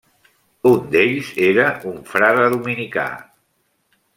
Un d'ells era un frare dominicà.